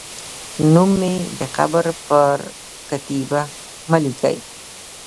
نوم مې د قبر پر کتیبه مه لیکئ